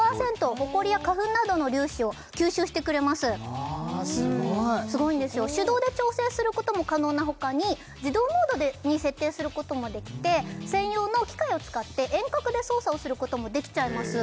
ホコリや花粉などの粒子を吸収してくれますわすごいすごいんですよ手動で調整することも可能なほかに自動モードに設定することもできて専用の機械を使って遠隔で操作をすることもできちゃいます